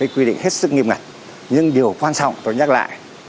quy định hết sức nghiêm ngặt nhưng điều quan trọng tôi nhắc lại